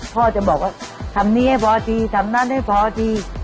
พ่อจะบอกว่าทำนี้ให้พอดีทำนั้นให้พอดี